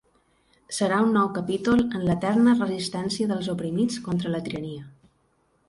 Serà un nou capítol en l’eterna resistència dels oprimits contra la tirania.